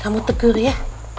kamu tegur ya